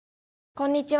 こんにちは。